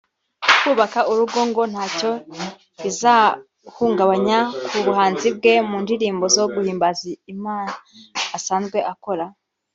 kubaka urugo ngo ntacyo bizahungabanya ku buhanzi bwe mu ndirimbo zo guhimbaza Imaa asanzwe akora